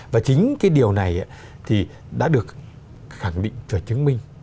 và chính cái điều này thì đã được khẳng định và chứng minh